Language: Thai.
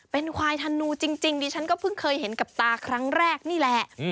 เป็นควายธนูจริงดิฉันก็เพิ่งเคยเห็นกับตาครั้งแรกนี่แหละ